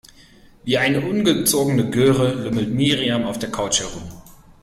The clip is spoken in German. Wie eine ungezogene Göre lümmelt Miriam auf der Couch herum.